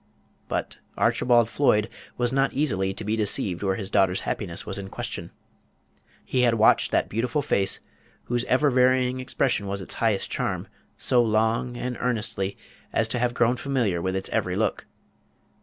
But Archibald Floyd was not easily to be deceived where his daughter's happiness was in question; he had watched that beautiful face, whose ever varying expression was its highest charm, so long and earnestly, as to have grown familiar with its every look.